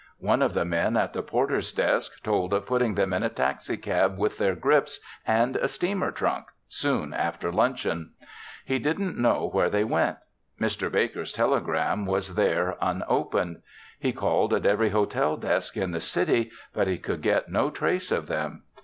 One of the men at the porter's desk told of putting them in a taxicab with their grips and a steamer trunk soon after luncheon. He didn't know where they went. Mr. Baker's telegram was there unopened. He called at every hotel desk in the city, but he could get no trace of them.